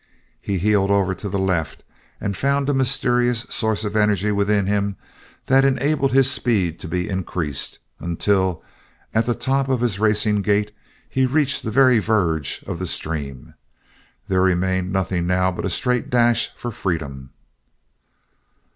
He heeled over to the left, and found a mysterious source of energy within him that enabled his speed to be increased, until, at the top of his racing gait, he reached the very verge of the stream. There remained nothing now but a straight dash for freedom.